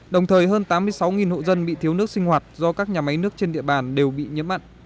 đồng thời hơn tám mươi sáu hộ dân bị thiếu nước sinh hoạt do các nhà máy nước trên địa bàn đều bị nhiễm mặn